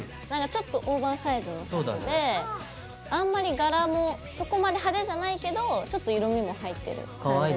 ちょっとオーバーサイズのシャツであんまりがらもそこまで派手じゃないけどちょっと色みも入ってる感じの。